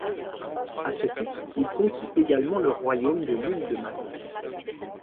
À ce titre il conquit également le royaume de l’Ile de Man.